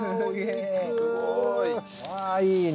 いいね。